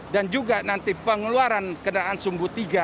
dan juga nanti pengeluaran kendaraan sumbu tiga